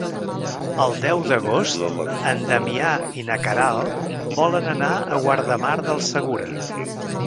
El deu d'agost en Damià i na Queralt volen anar a Guardamar del Segura.